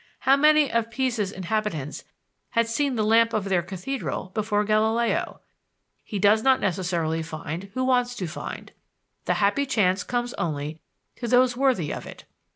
How many of Pisa's inhabitants had seen the lamp of their cathedral before Galileo! He does not necessarily find who wants to find. The happy chance comes only to those worthy of it.